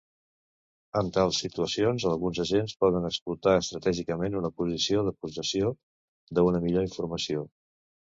En tals situacions, alguns agents poden explotar estratègicament una posició de possessió d'una millor informació.